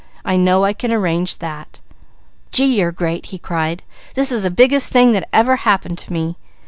I know I can arrange that." "Gee, you're great!" he cried. "This is the biggest thing that ever happened to me!